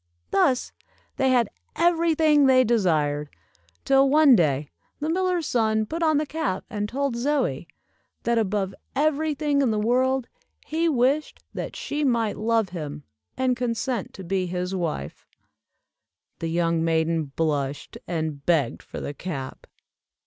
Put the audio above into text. Thus, they had every thing they desired, till one day, the miller's son put on the cap, and told Zoie, that above every thing in the world, he wished that she might love him, and consent to be his wife. The young maiden blushed, and begged for the cap.